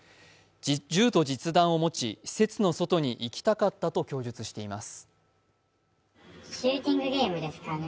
銃と実弾を持ち施設の外に行きたかったと供述しています。